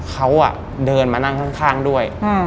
เขาอ่ะเดินมานั่งข้างด้วยอืม